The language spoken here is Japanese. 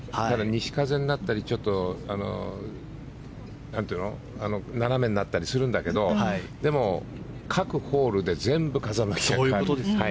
西風になったり、ちょっと斜めになったりするんだけどでも、各ホールで全部風向きが変わる。